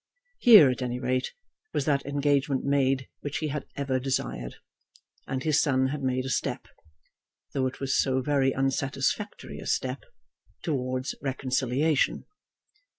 Here, at any rate, was that engagement made which he had ever desired. And his son had made a step, though it was so very unsatisfactory a step, towards reconciliation.